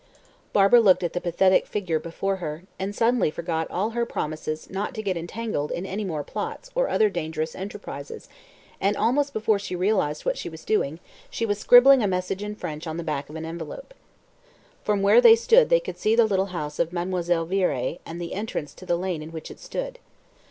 Barbara looked at the pathetic figure before her, and suddenly forgot all her promises not to get entangled in any more plots or other dangerous enterprises, and almost before she realised what she was doing, she was scribbling a message in French on the back of an envelope. From where they stood they could see the little house of Mademoiselle Viré, and the entrance to the lane in which it stood.